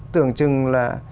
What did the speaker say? tưởng chừng là